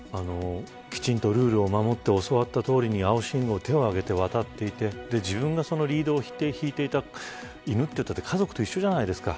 きちんとルールを守って教わったとおりに青信号で手を上げて渡っていて自分がリードを引いていた犬といっても家族と一緒じゃないですか。